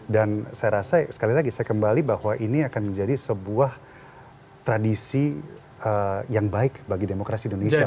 dan saya rasa sekali lagi saya kembali bahwa ini akan menjadi sebuah tradisi yang baik bagi demokrasi indonesia